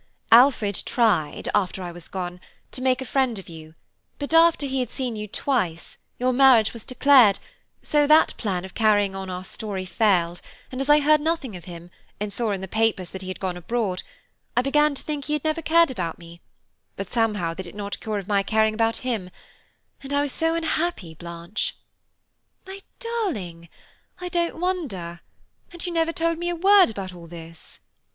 "Alfred tried, after I was gone, to make a friend of you; but after he had seen you twice, your marriage was declared, so that plan of carrying on our story failed, and as I heard nothing of him, and saw in the papers that he had gone abroad, I began to think he never had cared about me, but somehow that did not cure me of caring about him, and I was so unhappy, Blanche." "My darling, I don't wonder, and you never told me a word about all this!"